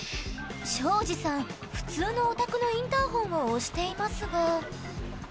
庄司さん、普通のお宅のインターホンを押していますが。